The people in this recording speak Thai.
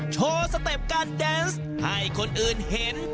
โชว์สเต็ปการแดนส์ให้คนอื่นเห็น